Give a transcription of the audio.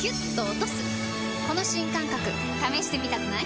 この新感覚試してみたくない？